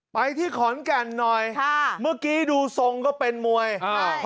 ไปที่ขอนแก่นหน่อยค่ะเมื่อกี้ดูทรงก็เป็นมวยอ่า